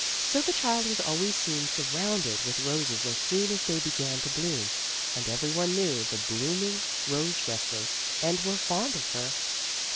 So the child was always seen surrounded with roses as soon as they began to bloom, and every one knew the blooming Rose Resli and were fond of her.